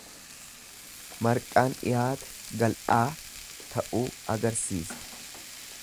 Marqaan dhiyaate gal'aa ta'uu agarsiisa.